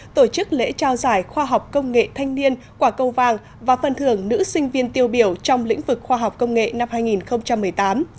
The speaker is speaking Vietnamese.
tổ chức lễ trao giải khoa học công nghệ thanh niên quả câu vàng và phần thưởng nữ sinh viên tiêu biểu trong lĩnh vực khoa học công nghệ năm hai nghìn một mươi tám